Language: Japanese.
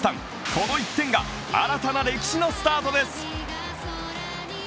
この１点が、新たな歴史のスタートです。